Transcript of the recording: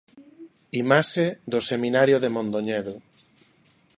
Imaxe do seminario de Mondoñedo.